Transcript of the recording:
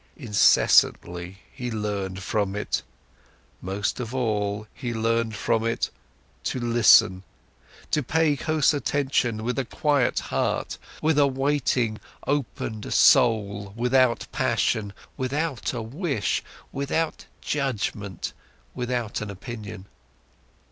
Incessantly, he learned from it. Most of all, he learned from it to listen, to pay close attention with a quiet heart, with a waiting, opened soul, without passion, without a wish, without judgement, without an opinion.